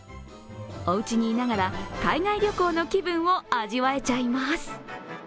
おうちにいながら海外旅行の気分を味わえちゃいます。